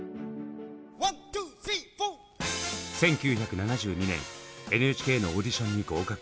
１９７２年ＮＨＫのオーディションに合格。